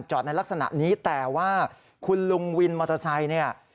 ในลักษณะนี้แต่ว่าคุณลุงวินมอเตอร์ไซค์เนี่ย